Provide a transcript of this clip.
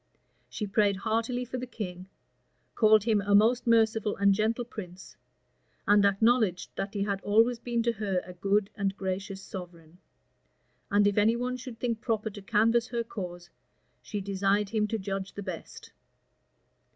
She prayed heartily for the king; called him a most merciful and gentle prince; and acknowledged that he had always been to her a good and gracious sovereign; and if any one should think proper to canvass her cause, she desired him to judge the best.